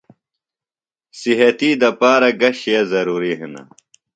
صحتی دپارہ گہ شئے ضرُوریۡ ہِنہ؟